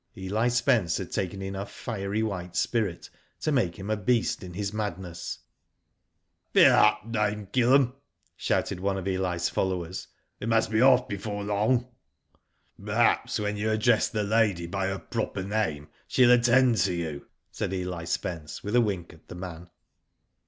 Eli Spence had taken enough fiery white spirit to make him a beast in his madness. " Fill up, Dame KilPem," shouted one of Eli's followers. "We must be off before long." " Perhaps when you address the lady by her proper name she'll attend to you," said EH Spence, with a wink at the man.